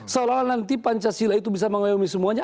seolah olah nanti pancasila itu bisa mengayomi semuanya